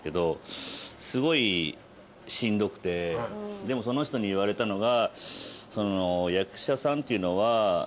でもその人に言われたのが。